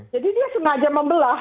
jadi dia sengaja membelah